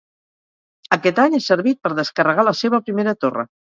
aquest any ha servit per descarregar la seva primera torre